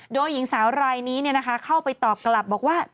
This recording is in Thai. โดยหญิงสาวรายนี้เข้าไปตอบกลับบอกว่า